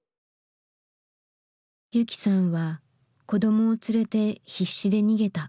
雪さんは子どもを連れて必死で逃げた。